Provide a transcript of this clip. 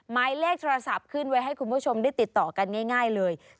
หมายเลขโทรศัพท์ขึ้นไว้ให้คุณผู้ชมได้ติดต่อกันง่ายเลย